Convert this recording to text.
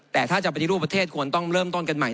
แต่ถ้าจะปฏิรูปประเทศควรต้องเริ่มต้นกันใหม่